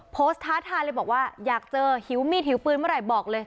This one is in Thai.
ท้าทายเลยบอกว่าอยากเจอหิวมีดหิวปืนเมื่อไหร่บอกเลย